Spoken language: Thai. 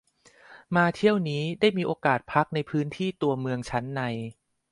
มาเที่ยวนี้ได้มีโอกาสพักในพื้นที่ตัวเมืองชั้นใน